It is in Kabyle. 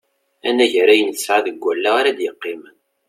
Anagar ayen tesɛa deg wallaɣ ara d-yeqqimen.